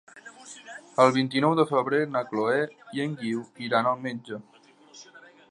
El vint-i-nou de febrer na Chloé i en Guiu iran al metge.